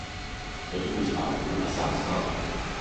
Je to bůh spánku a sám spánek.